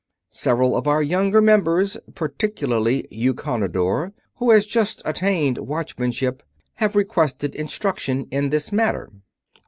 Several of our younger members, particularly Eukonidor, who has just attained Watchmanship, have requested instruction in this matter.